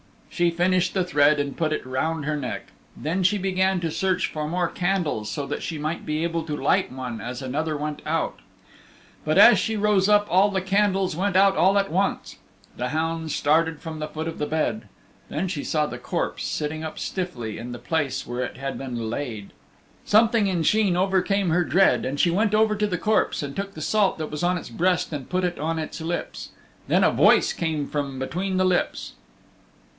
She finished the thread and put it round her neck. Then she began to search for more candles so that she might be able to light one, as another went out. But as she rose up all the candles went out all at once. The hound started from the foot of the bed. Then she saw the corpse sitting up stiffly in the place where it had been laid. Something in Sheen overcame her dread, and she went over to the corpse and took the salt that was on its breast and put it on its lips. Then a voice came from between the lips.